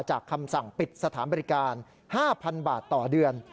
คำสั่งปิดสถานบริการ๕๐๐๐บาทต่อเดือน